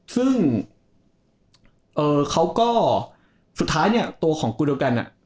ซึ่งเขาก็สุดท้ายตัวของกุฏิวกัน